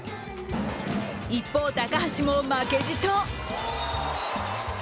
一方、高橋も負けじと。